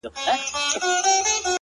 o والله ه چي په تا پسي مي سترگي وځي ـ